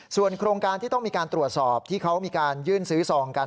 ส่วนโครงการที่ต้องมีการตรวจสอบที่เขามีการยื่นซื้อซองกัน